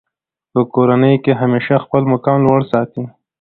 په کورنۍ کښي همېشه خپل مقام لوړ ساتئ!